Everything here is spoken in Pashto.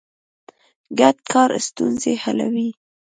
ګډ کار ستونزې حلوي.